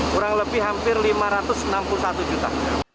kurang lebih hampir lima ratus enam puluh satu juta